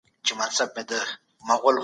خپل کور په پاکوالي کي بې مثاله وساتئ.